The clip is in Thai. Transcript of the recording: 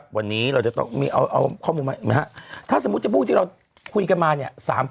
วันนี้เราจะต้องมีเอาข้อมูลมาถ้าสมมุติจะพูดที่เราคุยกันมาเนี่ย